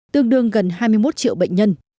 tương đương gần hai mươi một triệu bệnh nhân